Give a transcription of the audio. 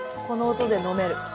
この音で飲める？